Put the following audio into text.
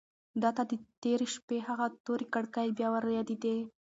ده ته د تېرې شپې هغه تورې کړکۍ بیا ودرېدې.